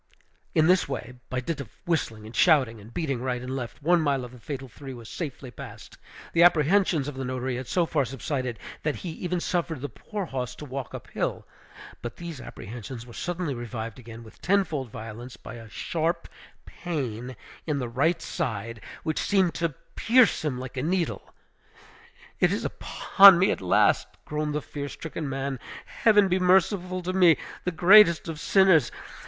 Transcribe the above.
In this way, by dint of whistling and shouting, and beating right and left, one mile of the fatal three was safely passed. The apprehensions of the notary had so far subsided, that he even suffered the poor horse to walk up hill; but these apprehensions were suddenly revived again with tenfold violence by a sharp pain in the right side, which seemed to pierce him like a needle. "It is upon me at last!" groaned the fear stricken man. "Heaven be merciful to me, the greatest of sinners!